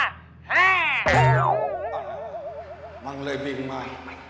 อ๋อแล้วมันเลยบินมา